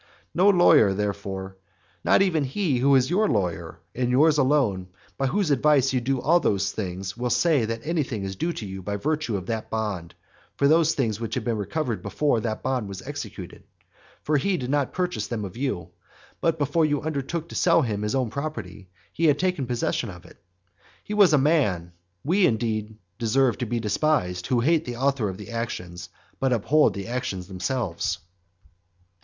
No lawyer, therefore, not even he who is your lawyer and yours alone, and by whose advice you do all these things, will say that anything is due to you by virtue of that bond for those things which had been recovered before that bond was executed. For he did not purchase them of you; but, before you undertook to sell him his own property, he had taken possession of it. He was a man we, indeed, deserve to be despised, who hate the author of the actions, but uphold the actions themselves. XXXVIII.